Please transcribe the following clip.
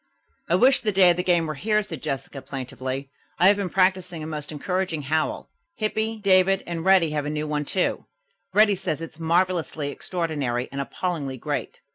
"I wish the day of the game were here," said Jessica plaintively. "I have been practising a most encouraging howl. Hippy, David and Reddy have a new one, too. Reddy says it's 'marvelously extraordinary and appallingly great.'"